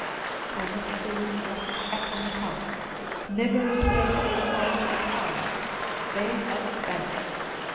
I watched the reeds like a cat on the pounce: never a stir or sign or sound: they had vanished.